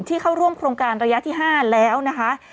เข้าร่วมโครงการระยะที่๕แล้วนะคะ